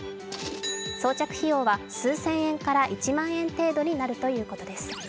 装着費用は数千円から１万円程度になるとのことです。